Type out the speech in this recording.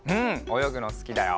およぐのすきだよ。